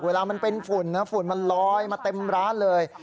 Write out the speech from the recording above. เวลามันเป็นฝุ่นนะฝุ่นมันลอยมาเต็มร้านเลย